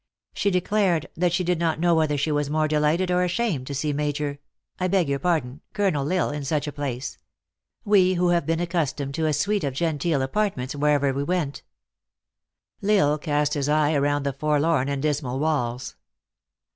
She declared "that she did not know whether she was more delighted or ashamed to see Major I beg your pardon Colonel L Isle, in such a place ; we, who have been accustom ed to a suite of genteel apartments wherever we went." THE ACTRESS IN HIGH LIFE. 69 L Isle cast his eye around the forlorn and dismal walls.